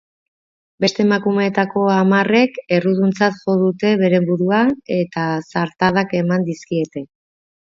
Beste emakumeetako hamarrek erruduntzat jo dute beren burua eta zartadak eman dizkiete.